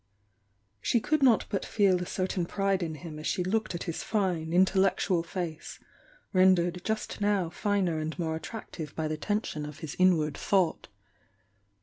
She could not but feel a certain pride in him as she looked at his fine, intellectual face, rendered just now finer and more attractive by the tension of 294 THE YOUNG DIANA 295 his inward thought.